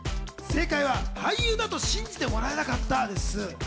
正解は俳優だと信じてもらえなかったです。